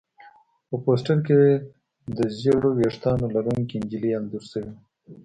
په پوسټر کې د ژېړو ویښتانو لرونکې نجلۍ انځور شوی و